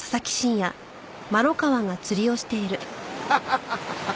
ハハハハ！